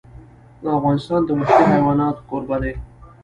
افغانستان د وحشي حیوانات کوربه دی.